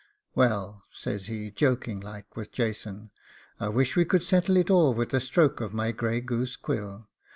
'Well,' says he, joking like with Jason, 'I wish we could settle it all with a stroke of my grey goose quill.